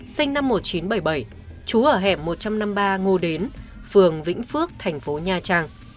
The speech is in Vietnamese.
sinh năm một nghìn chín trăm bảy mươi bảy trú ở hẻm một trăm năm mươi ba ngô đến phường vĩnh phước thành phố nha trang